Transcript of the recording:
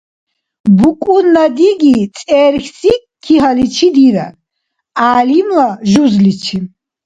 БукӀунна диги цӀерхьси кигьаличи дирар, гӀялимла — жузличи.